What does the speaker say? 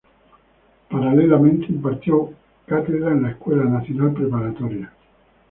Paralelamente impartió cátedra en la Escuela Nacional Preparatoria.